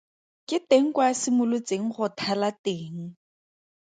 Ke teng kwa a simolotseng go thala teng.